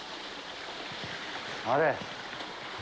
あれ！